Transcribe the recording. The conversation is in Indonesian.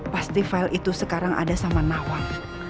pasti file itu sekarang ada sama nawang